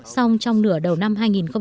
song trong nửa đầu năm hai nghìn một mươi tám